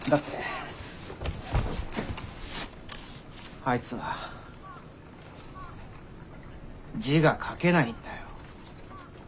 あいつは字が書けないんだよ。